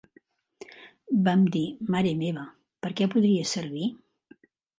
Vam dir "Mare meva, per què podria sevir?"